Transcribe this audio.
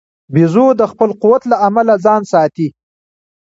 بیزو د خپل قوت له امله ځان ساتي.